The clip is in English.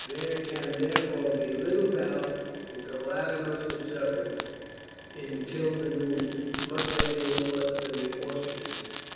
There can therefore be little doubt that the latter must have suffered, in killed and wounded, a much heavier loss than the Austrians.